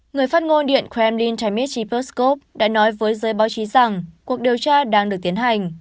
người phát ngôn điện kremlin dmitry pesusov đã nói với giới báo chí rằng cuộc điều tra đang được tiến hành